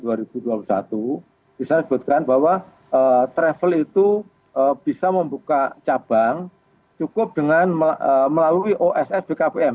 di sana disebutkan bahwa travel itu bisa membuka cabang cukup dengan melalui oss bkpm